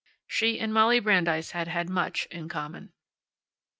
She and Molly Brandeis had had much in common.